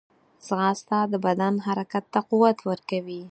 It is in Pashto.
ځغاسته د بدن حرکت ته قوت ورکوي